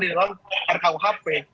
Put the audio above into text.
di dalam rkuhp